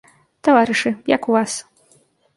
Таварышы, як у вас?